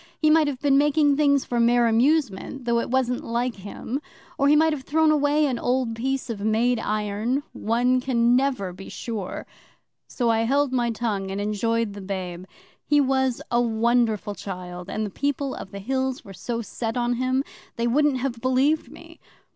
He might have been making things for mere amusement, though it wasn't like him, or he might have thrown away an old piece of made iron. One can never be sure. So I held my tongue and enjoyed the babe. He was a wonderful child and the People of the Hills were so set on him, they wouldn't have believed me.